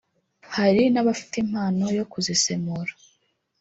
hari n’abafite impano yo kuzisemura